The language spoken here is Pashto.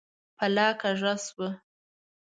پله کږه شوه.